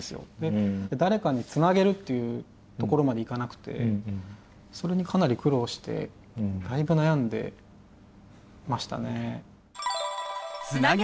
誰かにつなげるっていうところまでいかなくてそれにかなり苦労してだいぶ悩んでましたね。